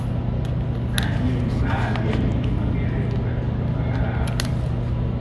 Na hiyo ni baadhi ya milima mirefu katika bara la Afrika